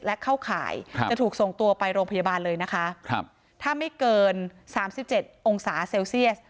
และเข้าข่ายครับจะถูกส่งตัวไปโรงพยาบาลเลยนะคะครับถ้าไม่เกินสามสิบเจ็ดองศาเซลเซียส